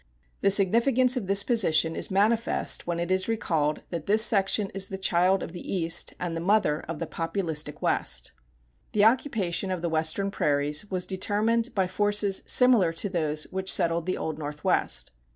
The significance of this position is manifest when it is recalled that this section is the child of the East and the mother of the Populistic West. The occupation of the Western prairies was determined by forces similar to those which settled the Old Northwest.